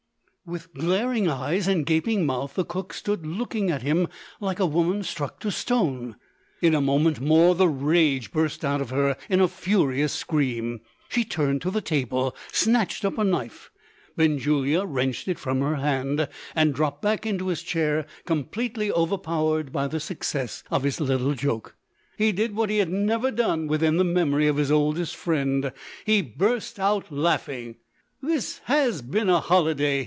With glaring eyes and gaping mouth, the cook stood looking at him, like a woman struck to stone. In a moment more, the rage burst out of her in a furious scream. She turned to the table, and snatched up a knife. Benjulia wrenched it from her hand, and dropped back into his chair completely overpowered by the success of his little joke. He did what he had never done within the memory of his oldest friend he burst out laughing. "This has been a holiday!"